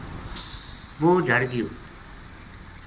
وہ جھَڑ گیو